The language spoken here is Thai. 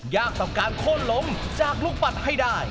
ยากตอบการโคล่ลงจากลูกปัดให้ได้